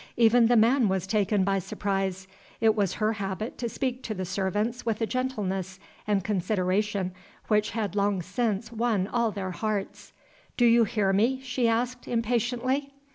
Even the man was taken by surprise: it was her habit to speak to the servants with a gentleness and consideration which had long since won all their hearts. "Do you hear me?" she asked, impatiently.